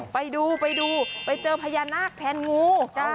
ไปดูไปดูไปเจอพญานาคแทนงู